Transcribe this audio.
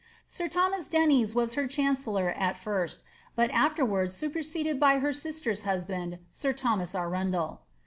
Sir Thomas Dennys was her chancellor at first, but was afterwards superseded by her sister's hus band. Sir Thomas Arundel.